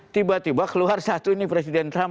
tiba tiba keluar satu ini presiden trump